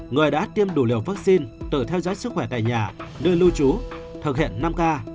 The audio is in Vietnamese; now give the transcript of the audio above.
người đã tiêm đủ liều vaccine tự theo dõi sức khỏe tại nhà nơi lưu trú thực hiện năm k